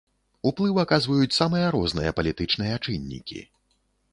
Уплыў аказваюць самыя розныя палітычныя чыннікі.